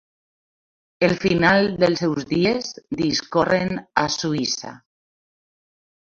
El final dels seus dies discorren a Suïssa.